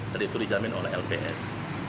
dan itu dijamin oleh lps